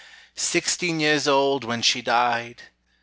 Sixteen years old when she died!